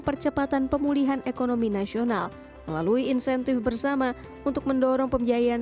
percepatan pemulihan ekonomi nasional melalui insentif bersama untuk mendorong pembiayaan